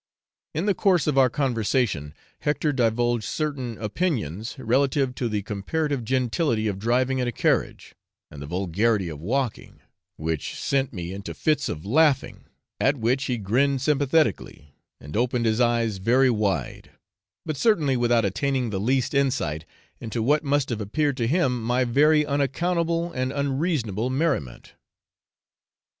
In the course of our conversation, Hector divulged certain opinions relative to the comparative gentility of driving in a carriage, and the vulgarity of walking; which sent me into fits of laughing; at which he grinned sympathetically, and opened his eyes very wide, but certainly without attaining the least insight into what must have appeared to him my very unaccountable and unreasonable merriment.